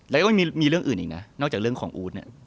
แล้วก็ไม่มีเรื่องอื่นอีกนะนอกจากเรื่องของอู๊ดเนี่ย